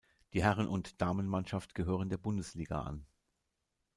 Die Herren- und Damenmannschaft gehören der Bundesliga an.